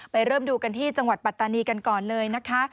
เริ่มดูกันที่จังหวัดปัตตานีกันก่อนเลยนะคะ